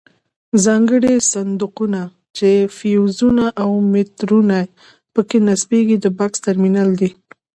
ځانګړي صندوقونه چې فیوزونه او میټرونه پکې نصبیږي د بکس ټرمینل دی.